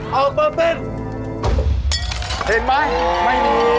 เห็นไหมไม่มี